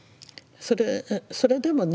それでもね